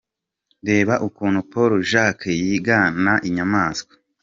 Reba ukuntu Paul Jacques yigana inyamaswa :.